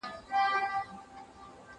هم برېتونه هم لكۍ يې ښوروله